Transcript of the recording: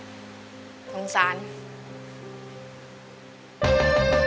คนที่สองชื่อน้องก็เอาหลานมาให้ป้าวันเลี้ยงสองคน